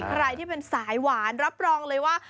ใครที่เป็นสายหวานรับรองเลยว่า